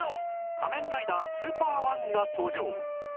仮面ライダースーパー１が登場